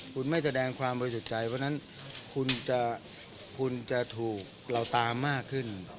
คุณไม่แสดงความบริสุทธิ์ใจเพราะฉะนั้นคุณจะถูกเราตามมากขึ้น